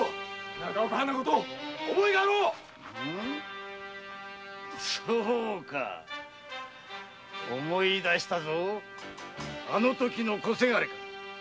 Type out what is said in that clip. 長岡藩のこと覚えがあろうそうか思い出したぞあの時の小伜か。